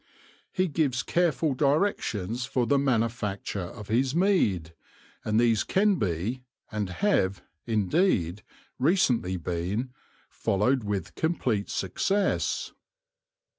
He gives careful directions for the manufacture of his mead ; and these can be, and have, indeed, recently been, followed with complete success.